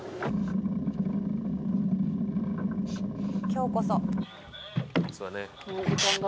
今日こそ。